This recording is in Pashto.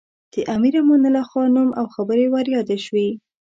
د امیر امان الله خان نوم او خبرې ور یادې شوې.